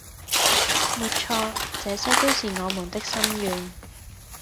沒錯，這些都是我們的心願